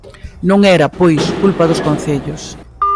Non era, pois, culpa dos concellos.